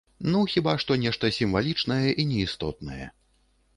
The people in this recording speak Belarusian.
Ну хіба што нешта сімвалічнае і неістотнае.